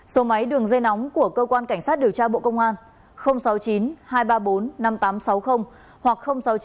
số máy đường dây nóng của cơ quan cảnh sát điều tra bộ công an sáu mươi chín hai trăm ba mươi bốn năm nghìn tám trăm sáu mươi hoặc sáu mươi chín hai trăm ba mươi hai một nghìn sáu trăm sáu mươi